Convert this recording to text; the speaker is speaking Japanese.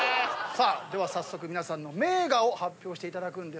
では早速皆さんの名画を発表していただくんですが。